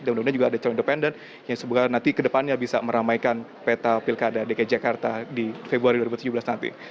dan mudah mudahan juga ada calon independen yang semoga nanti kedepannya bisa meramaikan peta pilkada dki jakarta di februari dua ribu tujuh belas nanti